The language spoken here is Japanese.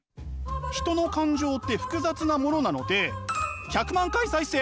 人の感情って複雑なものなので１００万回再生